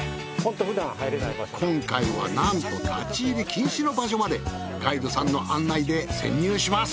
今回はなんと立入禁止の場所までガイドさんの案内で潜入します。